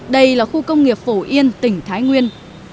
đây là khu công nghiệp phổ yên tỉnh thái nguyên